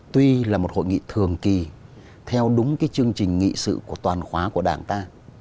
tuy là một hội nghị thường kỳ theo đúng chương trình nghị sự của toàn khóa của đảng ta